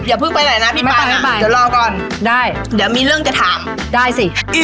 อย่าพึ่งไปหน่อยนะพี่ปาน่ะเดี๋ยวรอก่อนอย่ามีเรื่องจะถามได้สิ